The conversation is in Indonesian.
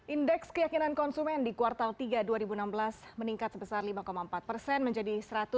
indeks keyakinan konsumen di kuartal tiga dua ribu enam belas meningkat sebesar lima empat persen menjadi satu ratus enam puluh